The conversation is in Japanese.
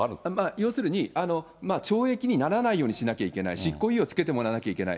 要するに、懲役にならないようにしなきゃいけない、執行猶予付けてもらわなきゃいけない。